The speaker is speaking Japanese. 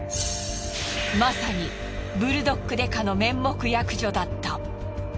まさにブルドッグ刑事の面目躍如だった。